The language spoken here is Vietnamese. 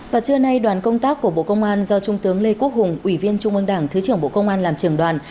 và trưa nay đoàn công tác của bộ công an do trung tướng lê quốc hùng ủy viên trung ương đảng thứ trưởng bộ công an làm trường đoàn